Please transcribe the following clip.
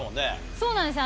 そうなんですよ。